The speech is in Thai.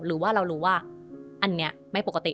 หรือว่าเรารู้ว่าอันนี้ไม่ปกติ